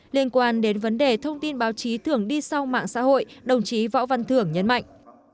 liên quan đến vấn đề thông tin báo chí thường đi sau mạng xã hội đồng chí võ văn thưởng nhấn mạnh